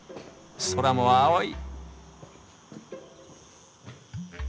空も青い！